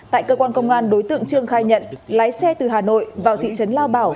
tại cơ quan công an đối tượng trương khai nhận lái xe từ hà nội vào thị trấn lao bảo